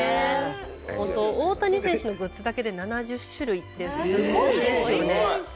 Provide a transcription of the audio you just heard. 大谷選手のグッズだけで７０種類って、すごいですよね。